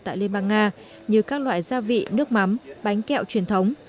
tại liên bang nga như các loại gia vị nước mắm bánh kẹo truyền thống